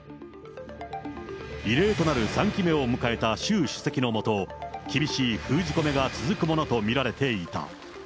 異例となる３期目を迎えた習主席の下、厳しい封じ込めが続くものと見られていた。